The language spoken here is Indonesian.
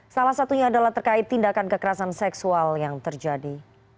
salah satunya adalah terkait tindakan kekerasan seksual yang terjadi